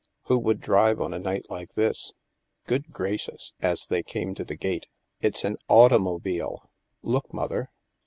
Who would drive on a night like this? Good gracious " (as they came to the gate), " it's an automobile! Look, Mother."